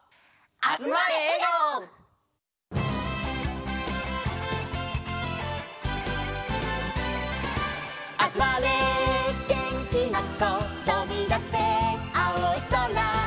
「あつまれげんきなこ」「とびだせあおいそらへ」